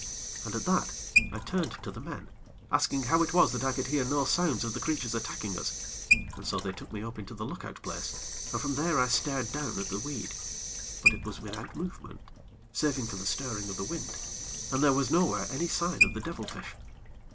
And at that, I turned to the men, asking how it was that I could hear no sounds of the creatures attacking us, and so they took me up into the look out place, and from there I stared down at the weed; but it was without movement, save for the stirring of the wind, and there was nowhere any sign of the devil fish.